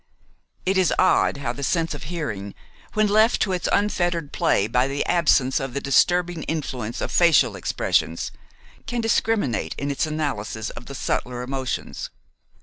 It is odd how the sense of hearing, when left to its unfettered play by the absence of the disturbing influence of facial expression, can discriminate in its analysis of the subtler emotions.